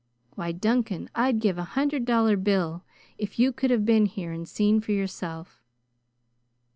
Why, Duncan, I'd give a hundred dollar bill if you could have been here and seen for yourself."